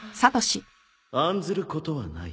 案ずることはない。